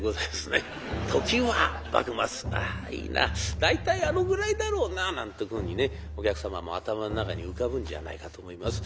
大体あのぐらいだろうななんてふうにねお客様も頭の中に浮かぶんじゃないかと思います。